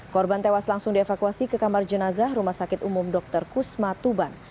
korban tewas langsung dievakuasi ke kamar jenazah rumah sakit umum dr kusma tuban